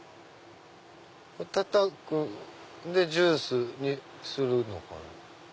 たたくでジュースにするのかな？